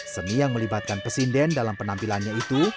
seni yang melibatkan pesinden dalam penampilannya itu